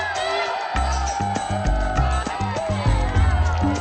tuk tuk tuk tuk